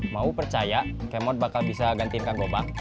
mau percaya k mod bakal bisa gantiin kak bopang